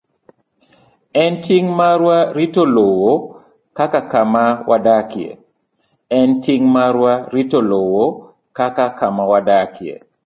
En ting' marwa rito lowo kaka kama wadakie.